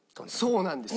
そうなんです。